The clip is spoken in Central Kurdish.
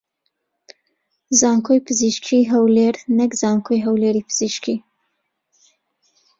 زانکۆی پزیشکیی هەولێر نەک زانکۆی هەولێری پزیشکی